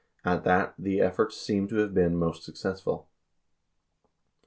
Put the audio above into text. At that, the efforts seems to have been most success ful.